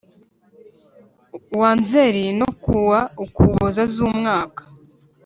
Wa nzeli no ku wa ukuboza z umwaka